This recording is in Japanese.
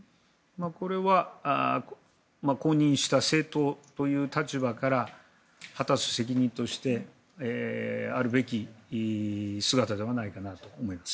これは公認した政党という立場から果たす責任としてあるべき姿ではないかなと思います。